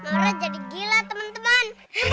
orang jadi gila teman teman